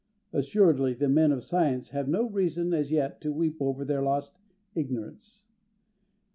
Assuredly the men of science have no reason as yet to weep over their lost ignorance.